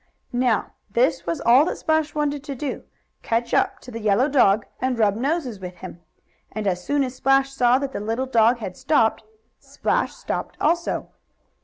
Now, this was all that Splash wanted to do catch up to the yellow dog and rub noses with him. And as soon as Splash saw that the little dog had stopped, Splash stopped also.